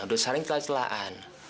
udah saling kela kelaan